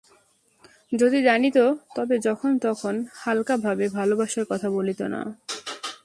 যদি জানিত, তবে যখন তখন হালকাভাবে ভালবাসার কথা বলিত না।